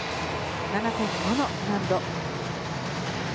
７．５の難度。